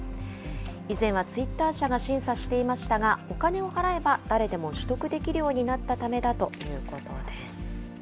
以前はツイッター社が審査していましたが、お金を払えば、誰でも取得できるようになったためだということです。